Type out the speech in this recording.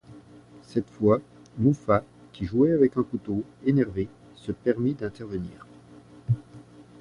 Cette fois, Muffat, qui jouait avec un couteau, énervé, se permit d'intervenir.